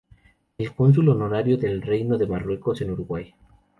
Es cónsul honorario del Reino de Marruecos en Uruguay.